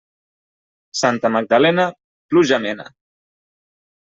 Santa Magdalena, pluja mena.